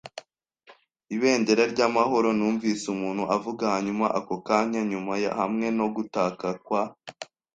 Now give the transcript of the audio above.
“Ibendera ry'amahoro!” Numvise umuntu avuga; hanyuma, ako kanya nyuma, hamwe no gutaka kwa